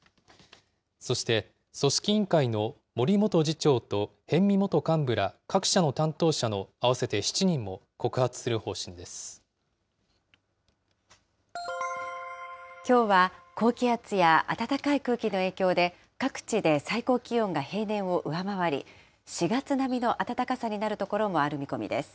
そして、組織委員会の森元次長と逸見元幹部ら各社の担当者の合わせて７人きょうは、高気圧や暖かい空気の影響で、各地で最高気温が平年を上回り、４月並みの暖かさになる所もある見込みです。